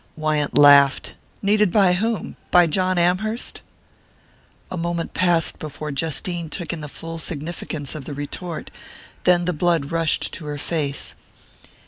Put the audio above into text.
Wyant laughed. "Needed by whom? By John Amherst?" A moment passed before Justine took in the full significance of the retort; then the blood rushed to her face.